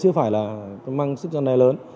chưa phải là công an sức dân đầy lớn